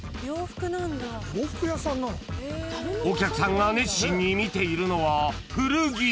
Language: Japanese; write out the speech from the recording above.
［お客さんが熱心に見ているのは］